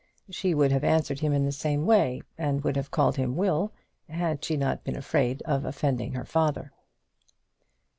She would have answered him in the same way, and would have called him Will, had she not been afraid of offending her father.